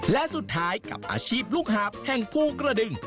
และสุดท้ายกับอาชีพลูกหาบแห่งภูกระดึง